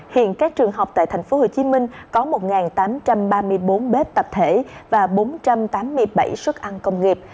hiện các trường học tại tp hcm có một tám trăm ba mươi bốn bếp tập thể và bốn trăm tám mươi bảy suất ăn công nghiệp